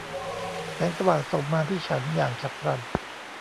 แสงสว่างส่องมาที่ฉันอย่างฉับพลัน